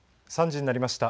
３時になりました。